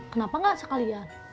kenapa enggak sekalian